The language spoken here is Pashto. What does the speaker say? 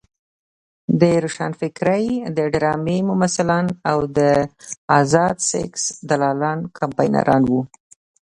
د روښانفکرۍ د ډرامې ممثلان او د ازاد سیکس دلالان کمپاینران وو.